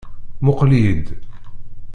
Muqel-iyi-d.